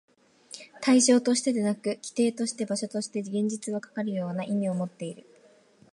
対象としてでなく、基底として、場所として、現実はかような意味をもっている。